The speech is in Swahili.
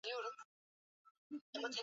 Acha nijishughulishe na kazi yangu sasa hivi.